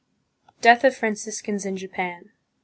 Death of Franciscans in Japan.